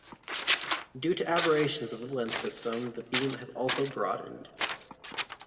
Due to aberrations of the lens systems the beam has also broadened.